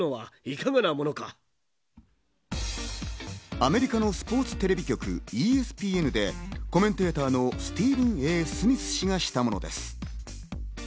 アメリカのスポーツテレビ局ＥＳＰＮでコメンテーターのスティーブン・Ａ・スミス氏がしたものです。